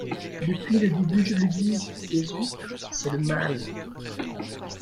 Depuis le début je le dis : les huîtres c’est le mal.